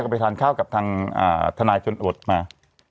อันนี้ทาแขก็ไปทานข้าวกับทันายชนบทมา